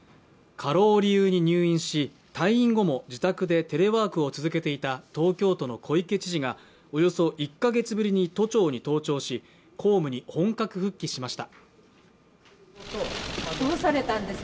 過労を理由に入院し、退院後も自宅でテレワークを続けていた東京都の小池知事がおよそ１カ月ぶりに都庁に登庁し、公務に本格復帰しました。